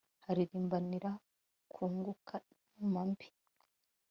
bahirimbanira kunguka inama mbi